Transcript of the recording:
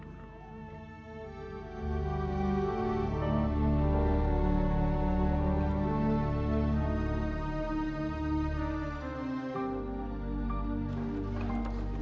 adik kecil bapak cuma punya uang segini